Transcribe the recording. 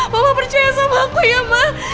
mama percaya sama aku ya ma